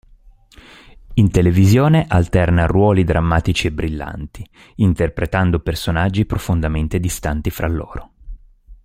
In televisione alterna ruoli drammatici e brillanti, interpretando personaggi profondamente distanti fra loro.